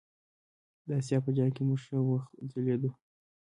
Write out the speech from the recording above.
د آسیا په جام کې موږ ښه وځلیدو.